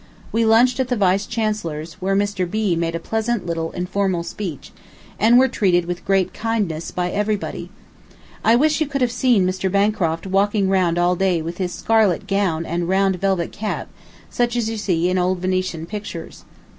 We lunched at the Vice Chancellor's (where Mr. B. made a pleasant little informal speech) and were treated with great kindness by everybody. I wish you could have seen Mr. Bancroft walking round all day with his scarlet gown and round velvet cap, such as you see in old Venetian pictures.